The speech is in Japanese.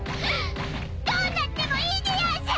どうなってもいいでやんす！